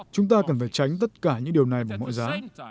chúng ta cần phải tránh tất cả những điều này bằng mọi giá